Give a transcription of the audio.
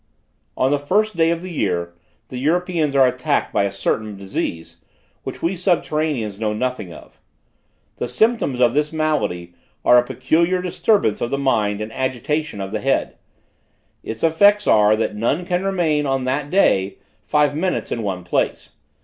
"On the first day of the year, the Europeans are attacked by a certain disease, which we subterraneans know nothing of. The symptoms of this malady are a peculiar disturbance of the mind and agitation of the head; its effects are that none can remain, on that day, five minutes in one place.